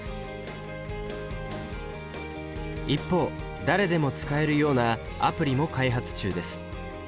一方誰でも使えるようなアプリも開発中です。